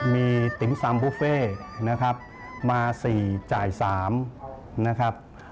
มีติ๋มซำบุฟเฟ่นะครับมา๔จ่าย๓นะครับ